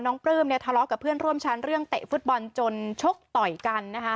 ปลื้มเนี่ยทะเลาะกับเพื่อนร่วมชั้นเรื่องเตะฟุตบอลจนชกต่อยกันนะคะ